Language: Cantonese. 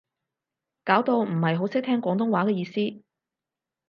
搞到唔係好識聽廣東話嘅意思